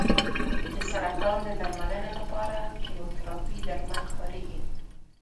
د سرطان د درملنې لپاره کیموتراپي درمل کارېږي.